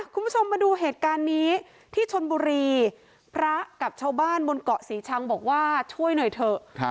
คุณผู้ชมมาดูเหตุการณ์นี้ที่ชนบุรีพระกับชาวบ้านบนเกาะศรีชังบอกว่าช่วยหน่อยเถอะ